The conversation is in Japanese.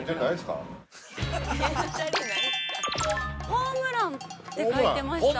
◆ホームランって書いてました。